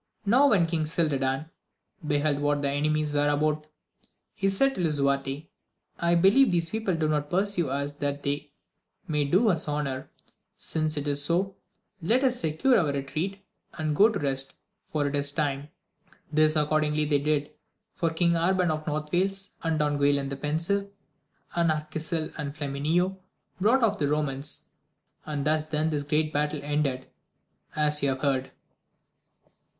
Now when King Cildadan beheld what the enemies were about, he said to Lisuarte, I believe these people do not pursue us that they may do us honour ; since it is so, let us secure our retreat, and go to rest, for it is time. This accordingly they did, for Kjng Arban of North Wales, and Don Guilan the Pensive, and Arqui sil, and Flamineo, brought off the Romans ; and thus then this great battle ended, as you have heard.